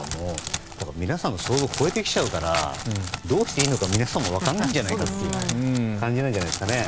皆さんの想像を超えてきちゃうからどうしていいのか皆さんも分からないんじゃないかという感じなんじゃないんですかね。